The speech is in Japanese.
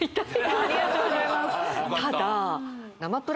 ありがとうございます